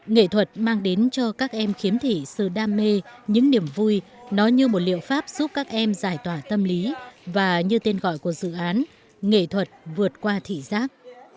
nghệ thuật mang đến cho các em khiếm thị sự đam mê những niềm vui nó như một liệu pháp giúp các em giải tỏa tâm lý và như tên gọi của dự án nghệ thuật vượt qua thị giác